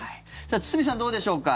堤さん、どうでしょうか。